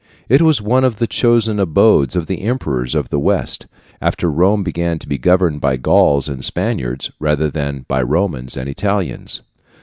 It was one of the chosen abodes of the Emperors of the West, after Rome began to be governed by Gauls and Spaniards, rather than by Romans and Italians.